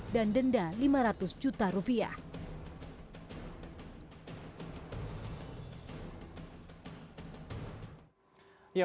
dan denda lima ratus juta rupiah